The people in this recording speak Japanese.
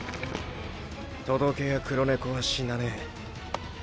届け屋黒猫は死なねェ。